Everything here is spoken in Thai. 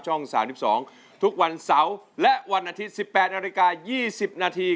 ๓๒ทุกวันเสาร์และวันอาทิตย์๑๘นาฬิกา๒๐นาที